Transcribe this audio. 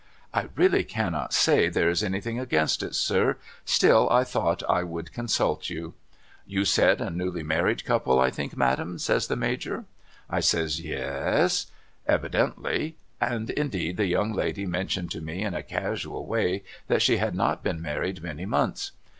' I really cannot say there is anything against it sir, still I thought I would consult you.' ' You said a newly married couple, I think, Madam ?' says the Major. I says * Ye es. Evidently. And indeed the young lady mentioned to me in a casual way that she had not been married many months.'